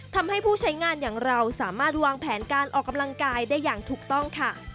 ทำให้ผู้ใช้งานอย่างเราสามารถวางแผนการออกกำลังกายได้อย่างถูกต้องค่ะ